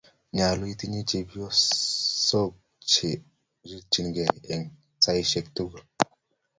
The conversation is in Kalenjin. nyalun itinye chepyosok che wirtenin gei eng saishek tugul